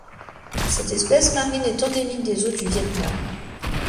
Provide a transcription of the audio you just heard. Cette espèce marine est endémique des eaux du Viêt Nam.